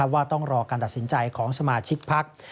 ว่าต้องรอการตัดสินใจของสมาชิกพัก